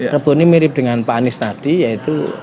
rebo ini mirip dengan pak anies tadi yaitu